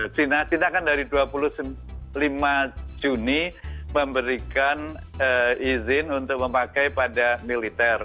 kita akan dari dua puluh lima juni memberikan izin untuk memakai pada militer